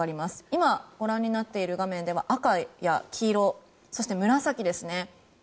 今、ご覧になっている画面では赤や黄色そして、紫ですね。